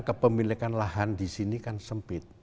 kepemilikan lahan di sini kan sempit